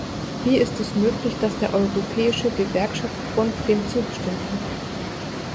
Wie ist es möglich, dass der Europäische Gewerkschaftsbund dem zugestimmt hat?